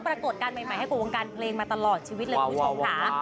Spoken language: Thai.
โหมดการใหม่ให้กรุงวงการเพลงมาตลอดชีวิตเรื่องผู้ชมค้า